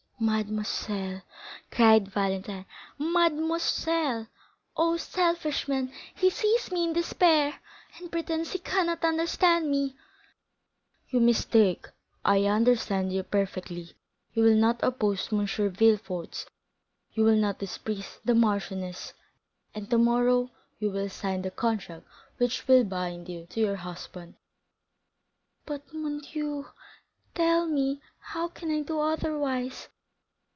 "Mademoiselle," cried Valentine; "mademoiselle! Oh, selfish man! he sees me in despair, and pretends he cannot understand me!" "You mistake—I understand you perfectly. You will not oppose M. Villefort, you will not displease the marchioness, and tomorrow you will sign the contract which will bind you to your husband." "But, mon Dieu! tell me, how can I do otherwise?"